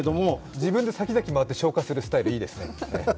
自分で先々回って消火するスタイルいいですね。